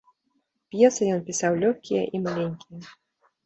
П'есы ён пісаў лёгкія і маленькія.